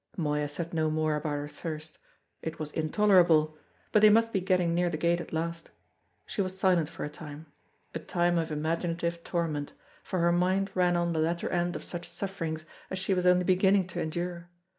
Moya said no more about her thirst; it was intolerable; but they must be getting near the gate at last. She was silent for a time, a time of imaginative torment, for her mind ran on the latter end of such sufferings as she was only beginning to endure.